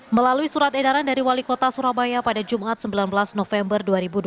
melalui surat edaran dari wali kota surabaya pada jumat sembilan belas november dua ribu dua puluh